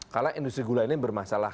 karena industri gula ini bermasalah